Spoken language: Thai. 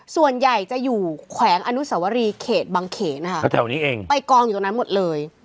ส่วนใหญ่จะอยู่แขวงอนุสวรีเขตบังเขนนะคะแถวนี้เองไปกองอยู่ตรงนั้นหมดเลย